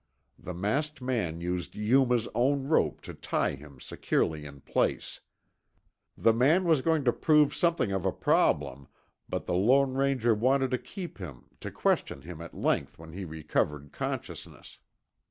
The masked man used Yuma's own rope to tie him securely in place. The man was going to prove something of a problem, but the Lone Ranger wanted to keep him to question him at length when he recovered consciousness.